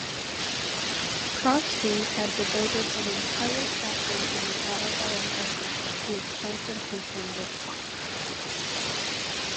Crosbie had devoted an entire chapter in his autobiography to his confrontations with Copps.